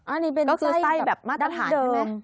อันนี้เป็นไส้แบบมาตรฐานใช่ไหม